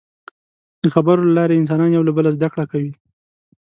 د خبرو له لارې انسانان یو له بله زدهکړه کوي.